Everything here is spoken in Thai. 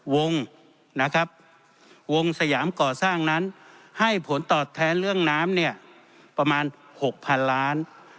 วงนะครับวงสยามก่อสร้างนั้นให้ผลตอบแทนเรื่องน้ำเนี่ยประมาณ๖๐๐๐ล้าน